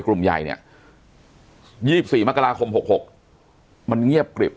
กลุ่มใหญ่เนี้ยยี่สิบสี่มกราคมหกหกมันเงียบกรีบ